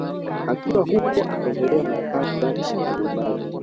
Akiwa huko akaendelea na kazi yake ya uwindaji